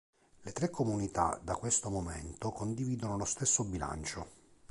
Le tre comunità da questo momento condividono lo stesso bilancio.